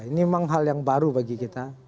ini memang hal yang baru bagi kita